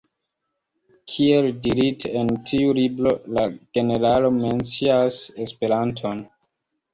Kiel dirite, en tiu libro la generalo mencias Esperanton.